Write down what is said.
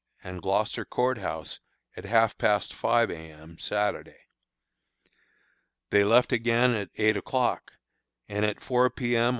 and Gloucester Court House at half past five A. M., Saturday. They left again at eight o'clock, and at four P. M.